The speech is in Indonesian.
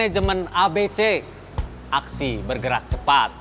manajemen abc aksi bergerak cepat